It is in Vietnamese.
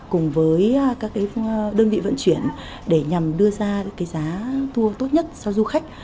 cùng với các đơn vị vận chuyển để nhằm đưa ra cái giá tour tốt nhất cho du khách